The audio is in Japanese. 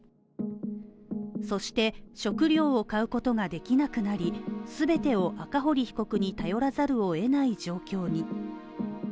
そして、食料を買うことができなくなりすべてを赤堀被告に頼らざるをえない状況に。